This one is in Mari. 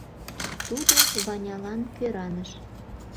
Тудо Ванялан кӧраныш.